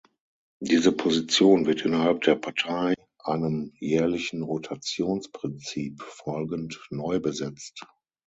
Diese Position wird innerhalb der Partei, einem jährlichen Rotationsprinzip folgend neu besetzt.